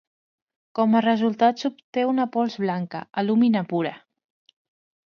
Com a resultat s’obté una pols blanca, alúmina pura.